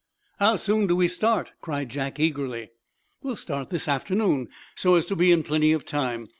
"How soon do we start?" cried Jack, eagerly. "We'll start this afternoon, so as to be in plenty of time.